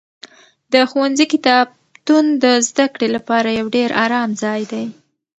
د ښوونځي کتابتون د زده کړې لپاره یو ډېر ارام ځای دی.